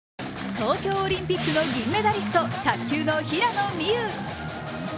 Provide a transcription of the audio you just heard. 東京オリンピックの銀メダリスト、卓球の平野美宇。